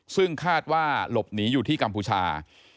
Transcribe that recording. ซึ่งคาดว่าหลบหนีอยู่ที่กัมพูชา